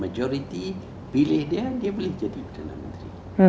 majority pilih dia dia boleh jadi perdana menteri